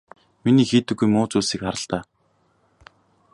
Миний хийдэггүй муу зүйлсийг хар л даа.